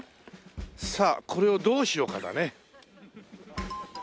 さあこれをどうしようかだね問題は。